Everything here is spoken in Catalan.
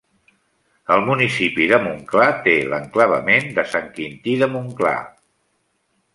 El municipi de Montclar té l'enclavament de Sant Quintí de Montclar.